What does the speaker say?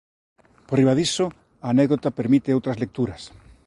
Por riba diso, a anécdota permite outras lecturas.